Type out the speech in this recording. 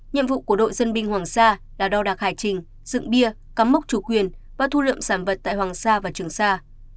nhiệm vụ của đội dân binh hoàng sa là đo đạc hải trình dựng bia cắm mốc chủ quyền và thu lượm sản vật tại hoàng sa và trường sa